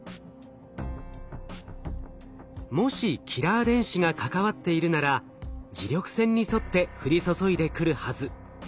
もしキラー電子が関わっているなら磁力線に沿って降り注いでくるはず。